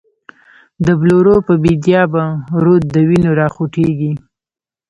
دبلورو په بیدیا به، رود دوینو راخوټیږی